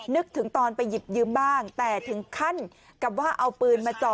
นึกถึงตอนไปหยิบยืมบ้างแต่ถึงขั้นกับว่าเอาปืนมาจ่อ